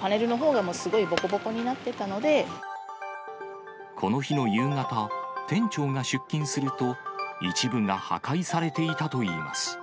パネルのほうがすごいぼこぼこの日の夕方、店長が出勤すると、一部が破壊されていたといいます。